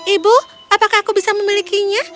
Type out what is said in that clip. ibu apakah aku bisa memilikinya